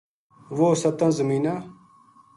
وہ ستاں زمیناں